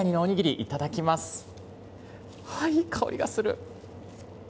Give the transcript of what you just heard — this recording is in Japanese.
いい香りがする。